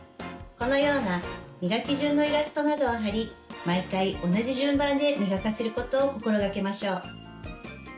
このような磨き順のイラストなどを貼り毎回同じ順番で磨かせることを心がけましょう。